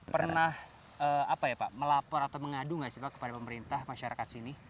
pernah melapor atau mengadu nggak kepada pemerintah masyarakat sini